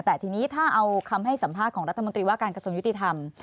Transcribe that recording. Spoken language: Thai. แต่ทีนี้ถ้าเอาคำให้สัมภาษณ์ของรัฐมนตรีว่าการกระทรวงยุติธรรม